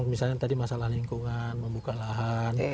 misalnya tadi masalah lingkungan membuka lahan